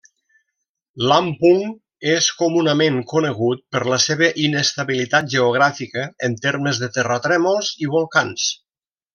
Lampung és comunament conegut per la seva inestabilitat geogràfica en termes de terratrèmols i volcans.